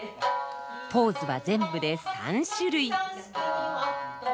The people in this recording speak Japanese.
ポーズは全部で３種類。